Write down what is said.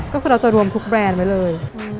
ก็คือเราจะรวมทุกแบรนด์ไว้เลย